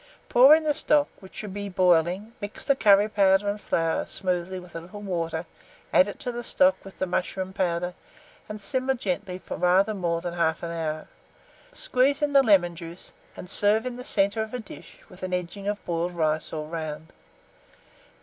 Pour in the stock, which should be boiling; mix the curry powder and flour smoothly with a little water, add it to the stock, with the mushroom powder, and simmer gently for rather more than 1/2 hour; squeeze in the lemon juice, and serve in the centre of a dish, with an edging of boiled rice all round.